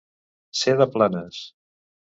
Ser de Planes.